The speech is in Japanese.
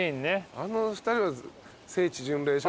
あの２人は聖地巡礼でしょ。